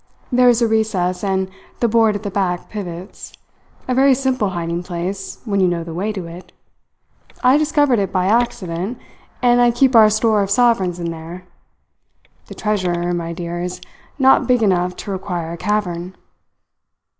There is a recess, and the board at the back pivots: a very simple hiding place, when you know the way to it. I discovered it by accident, and I keep our store of sovereigns in there. The treasure, my dear, is not big enough to require a cavern."